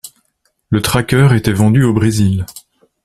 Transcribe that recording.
Le Tracker était vendu au Brésil.